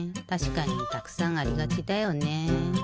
たしかにたくさんありがちだよね。